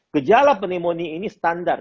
gejala pneumonia ini standar